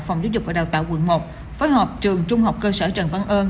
phòng giáo dục và đào tạo quận một phối hợp trường trung học cơ sở trần văn ơn